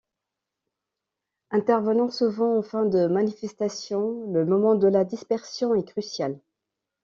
Intervenant souvent en fin de manifestation, le moment de la dispersion est crucial.